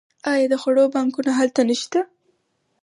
آیا د خوړو بانکونه هلته نشته؟